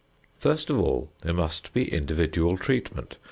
First of all there must be individual treatment.